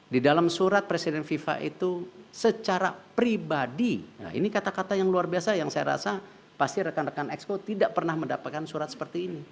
di dalam surat presiden fifa itu secara pribadi ini kata kata yang luar biasa yang saya rasa pasti rekan rekan exco tidak pernah mendapatkan surat seperti ini